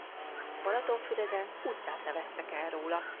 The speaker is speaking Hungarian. Balatonfüreden utcát neveztek el róla.